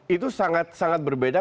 itu sangat sangat berbeda